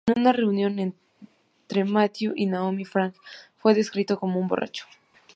En una reunión entre Matthew y Naomi, Frank fue descrito como "un borracho".